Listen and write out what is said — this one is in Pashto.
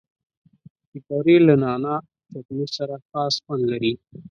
پکورې له نعناع چټني سره خاص خوند لري